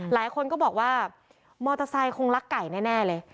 หลายคนก็บอกว่ามอเตอร์ไซค์คงรักไก่แน่เลย